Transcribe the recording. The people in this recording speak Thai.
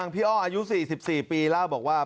พี่อ้ออายุ๔๔ปีเล่าบอกว่า